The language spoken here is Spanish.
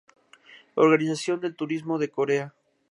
Organización de Turismo de Corea